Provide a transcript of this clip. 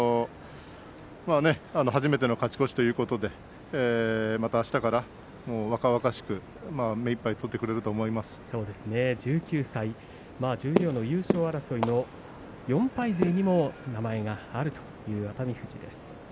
初めての勝ち越しということであしたから若々しく目いっぱい取ってくれると１９歳、十両の優勝争いの４敗勢にも名前があるという熱海富士です。